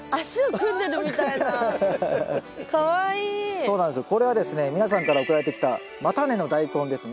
そうなんですよこれはですね皆さんから送られてきた叉根のダイコンですね。